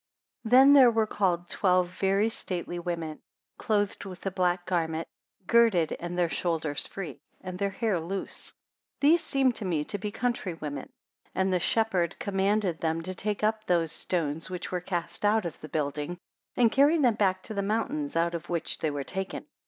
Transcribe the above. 80 Then there were called twelve very stately women, clothed with a black garment, girded, and their shoulders free, and their hair loose. These seemed to me to be country women. 81 And the shepherd commanded them to take up those stones which were cast out of the building, and carry them back to the mountains out of which they were taken.